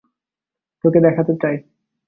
তোকে দেখাতে চাই।